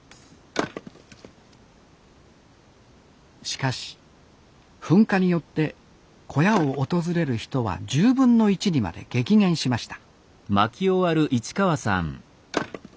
しかし噴火によって小屋を訪れる人は１０分の１にまで激減しました